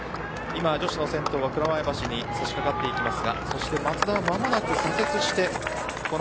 女子の先頭は蔵前橋に差し掛かります。